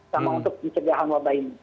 sama untuk pencegahan wabah ini